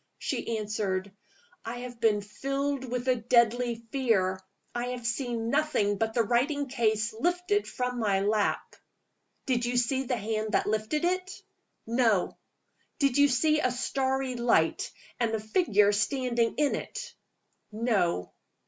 She answered. "I have been filled with a deadly fear. I have seen nothing but the writing case lifted from my lap." "Did you see the hand that lifted it?" "No." "Did you see a starry light, and a figure standing in it?" "No."